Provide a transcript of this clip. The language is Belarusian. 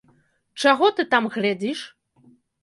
Чаго ты там глядзіш?